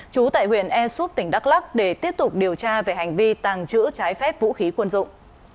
chú tại huyện esup tỉnh đắk lắc để tiếp tục điều tra về hành vi tàng trữ trái phép vũ khí quân dụng